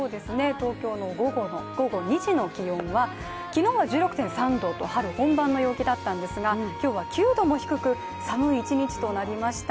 東京の午後２時の気温は昨日は１６．３度と春本番の陽気だったんですが今日は９度も低く寒い一日となりました。